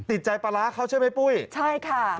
ติดใจปลาร้าเขาใช่ไหมปุ้ยใช่ค่ะ